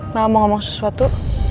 mau ngomong sesuatu